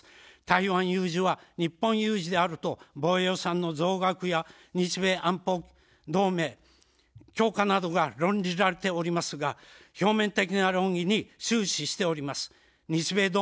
台湾有事は日本有事であると防衛予算の増額や日米安保同盟強化などが論じられておりますが、表面的な論議に終始しております。